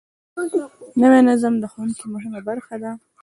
نوی نظم د ښوونې مهمه برخه ده